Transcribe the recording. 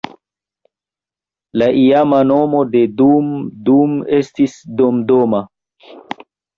La iama nomo de Dum Dum estis "Domdoma".